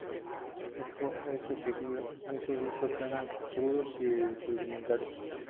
Es por eso que esos discos suenan crudos y rudimentarios.